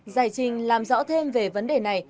giải trình làm rõ thêm về vấn đề này